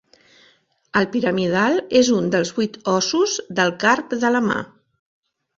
El piramidal és un dels vuit ossos del carp de la mà.